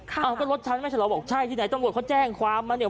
อ้าวก็รถฉันไม่ใช่เหรอบอกใช่ที่ไหนตำรวจเขาแจ้งความมาเนี่ย